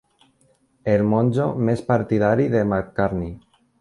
El monjo més partidari de McCartney.